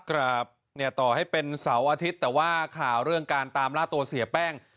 ครับเนี่ยต่อให้เป็นเสาร์อาทิตย์แต่ว่าข่าวเรื่องการตามล่าตัวเสียแป้ง